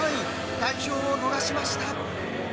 代表を逃しました。